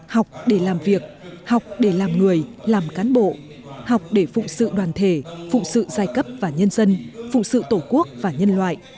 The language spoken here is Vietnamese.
học để làm việc học để làm người làm cán bộ học để phụ sự đoàn thể phụ sự giai cấp và nhân dân phụ sự tổ quốc và nhân loại